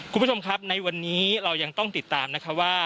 คุณผู้ชมครับในวันนี้เรายังต้องติดตามนะคะว่า